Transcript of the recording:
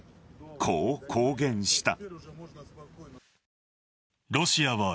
こう公言した。